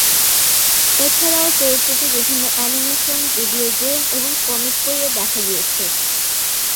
এছাড়াও চরিত্রটি বিভিন্ন অ্যানিমেশন, ভিডিও গেম এবং কমিক বইয়ে দেখা গিয়েছে।